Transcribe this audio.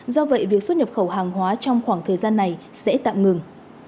do vậy việc xuất nhập khẩu hàng hóa trong khoảng thời gian này sẽ tạm ngừng